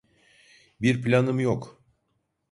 Bir planım yok.